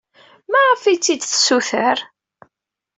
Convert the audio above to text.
Maɣef ay t-id-tessuter?